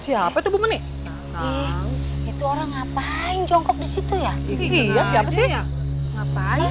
siapa tuh menik itu orang ngapain jongkok disitu ya iya siapa sih ngapain dia halo